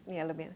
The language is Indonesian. iya lebih enak